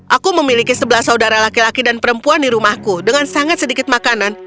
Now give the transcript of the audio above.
aku memiliki sebelas saudara laki laki dan perempuan di rumahku dengan sangat sedikit makanan